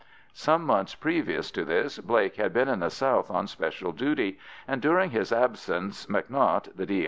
Some months previous to this Blake had been in the south on special duty, and during his absence, MacNot, the D.